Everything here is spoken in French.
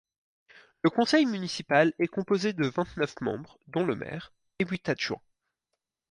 Le conseil municipal est composé de vingt-neuf membres dont le maire et huit adjoints.